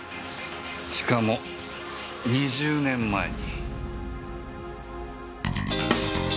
しかも２０年前に。